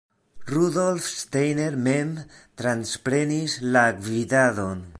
Rudolf Steiner mem transprenis la gvidadon.